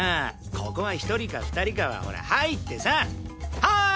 ここは１人か２人かはほら「はい」ってさ。はーい！